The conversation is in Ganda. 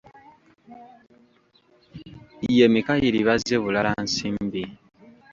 Ye Mikayiri Bazzebulala Nsimbi.